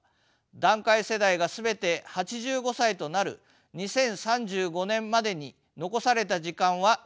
団塊世代が全て８５歳となる２０３５年までに残された時間は１０年弱です。